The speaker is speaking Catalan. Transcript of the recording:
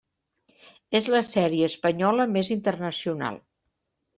És la sèrie espanyola més internacional.